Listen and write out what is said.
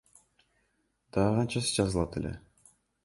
Дагы канчасы жазылат эле.